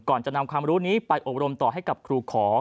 ก่อนจะนำความรู้นี้ไปอบรมต่อให้กับครูขอ